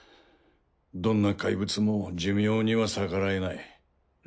どんな怪物も寿命には逆らえない。